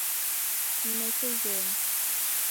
Nineke ighembe